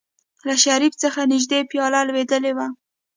له شريف څخه نژدې پياله لوېدلې وه.